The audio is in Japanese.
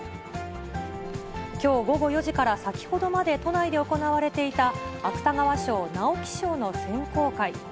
きょう午後４時から先ほどまで都内で行われていた芥川賞・直木賞の選考会。